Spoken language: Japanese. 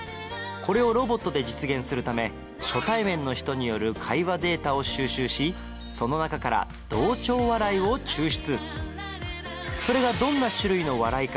これをロボットで実現するため初対面の人による会話データを収集しその中から同調笑いを抽出それがどんな種類の笑いか